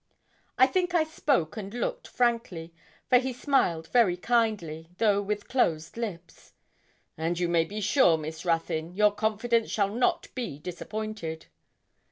I think I spoke and looked frankly, for he smiled very kindly, though with closed lips. 'And you may be sure, Miss Ruthyn, your confidence shall not be disappointed.'